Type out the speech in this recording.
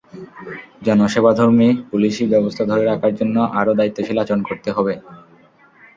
জনসেবাধর্মী পুলিশি ব্যবস্থা ধরে রাখার জন্য আরও দায়িত্বশীল আচরণ করতে হবে।